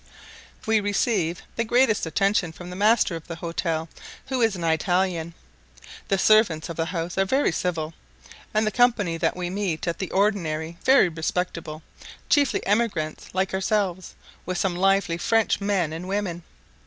We receive the greatest attention from the master of the hotel, who is an Italian. The servants of the house are very civil, and the company that we meet at the ordinary very respectable, chiefly emigrants like ourselves, with some lively French men and women.